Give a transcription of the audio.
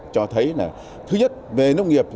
cho thấy là thứ nhất về nông nghiệp